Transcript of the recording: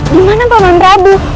dimana paman rabu